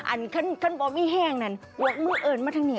อันขั้นตอนมิแห้งน่ะหวกมือเอิญมาทั้งนี้